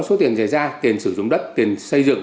số tiền rẻ ra tiền sử dụng đất tiền xây dựng